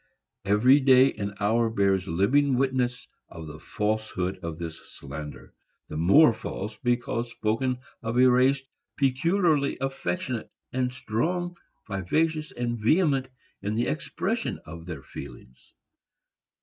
Every day and hour bears living witness of the falsehood of this slander, the more false because spoken of a race peculiarly affectionate, and strong, vivacious and vehement, in the expression of their feelings.